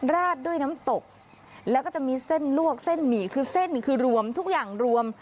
ราดด้วยน้ำตกแล้วก็จะมีเส้นลวกเส้นหมี่คือเส้นหมี่คือรวมทุกอย่างรวม